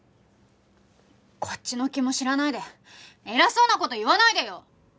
こっちの気も知らないで偉そうな事言わないでよ！